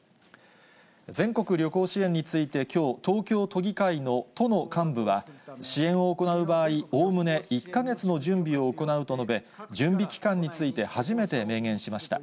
全国旅行支援についてきょう、東京都議会の都の幹部は、支援を行う場合、おおむね１か月の準備を行うと述べ、準備期間について、初めて明言しました。